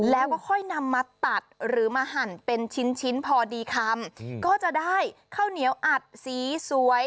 แล้วก็ค่อยนำมาตัดหรือมาหั่นเป็นชิ้นชิ้นพอดีคำก็จะได้ข้าวเหนียวอัดสีสวย